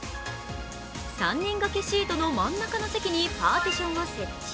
３人掛けシートの真ん中の席にパーティションを設置。